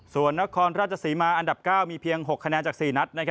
ส่วนนครราชศรีมาอันดับ๙มีเพียง๖คะแนนจาก๔นัด